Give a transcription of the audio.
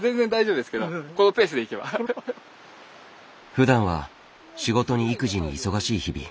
ふだんは仕事に育児に忙しい日々。